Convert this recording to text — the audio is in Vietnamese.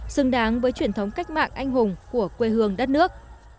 xứng đáng với truyền thống cách mạng anh hùng của quê hương đất nước